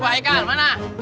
udah baik kan mana